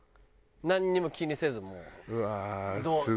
なんにも気にせずもう。